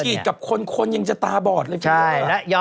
ก็ฉีดกับคนยังจะตาบอดเลย